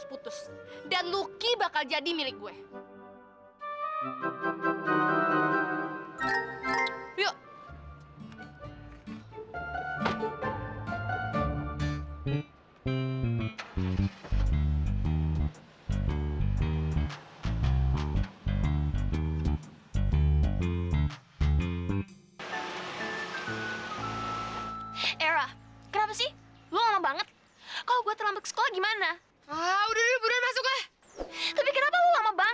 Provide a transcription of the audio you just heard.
terus dia pergi deh sama cowok itu